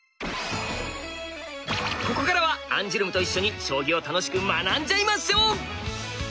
ここからはアンジュルムと一緒に将棋を楽しく学んじゃいましょう！